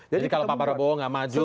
jadi kalau pak prabowo nggak maju